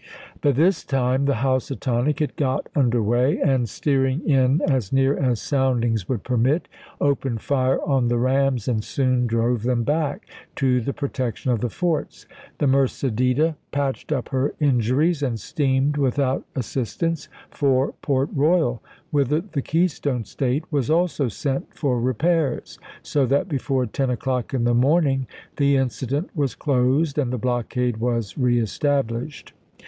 By this time the Housatonic had got under way, and, steering in as near as soundings would permit, opened fire on the rams and soon drove them back to the protection of the forts. The Mercedita patched up her injuries and steamed, without as sistance, for Port Eoyal, whither the Keystone State was also sent for repairs ; so that before ten o'clock in the morning the incident was closed and the blockade was reestablished.